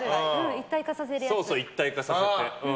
そうそう、一体化させて。